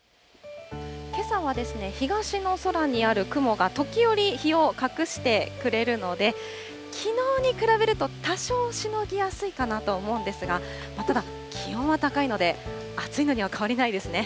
けさは東の空にある雲が時折日を隠してくれるので、きのうに比べると多少しのぎやすいかなと思うんですが、ただ、気温は高いので、暑いのには変わりないですね。